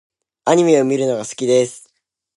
アニメを見るのが好きです。